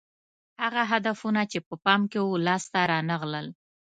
هغه هدفونه چې په پام کې وو لاس ته رانه غلل